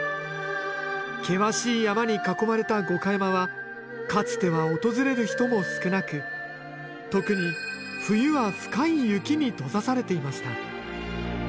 険しい山に囲まれた五箇山はかつては訪れる人も少なく特に冬は深い雪に閉ざされていました